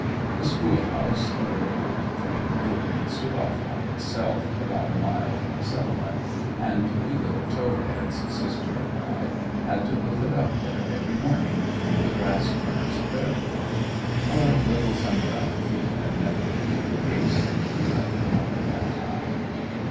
The school house, a little old frame building, stood off by itself, about a mile from the Settlement, and we little tow heads, sister and I, had to hoof it up there every morning, through the grassburrs, barefooted; our little sunbrowned feet had never been incased in shoe leather up to that time.